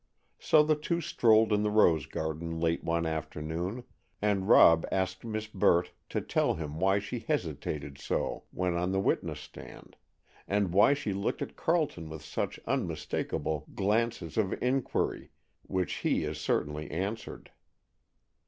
So the two strolled in the rose garden late one afternoon, and Rob asked Miss Burt to tell him why she hesitated so when on the witness stand, and why she looked at Carleton with such unmistakable glances of inquiry, which he as certainly answered.